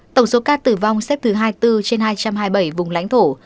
tổng số ca tử vong xếp thứ hai mươi bốn trên hai trăm hai mươi bảy vùng lãnh thổ